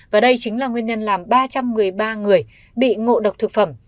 và đây chính là nguyên nhân làm ba trăm một mươi ba người bị ngộ độc thực phẩm